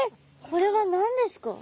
これは何ですか？